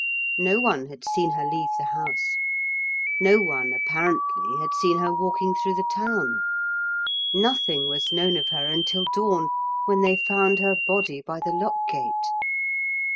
No one had seen her leave the house. No one, apparently, had seen her walking through the town. Nothing was known of her until dawn when they found her body by the lock gate.